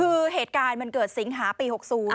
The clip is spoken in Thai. คือเหตุการณ์มันเกิดสิงหาปี๖๐